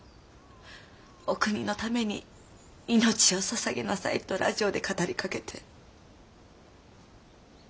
お国のために命をささげなさいとラジオで語りかけて。